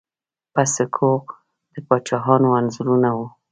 په سکو د پاچاهانو انځورونه وو